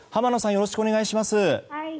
よろしくお願いします。